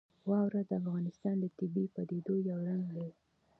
واوره د افغانستان د طبیعي پدیدو یو رنګ دی.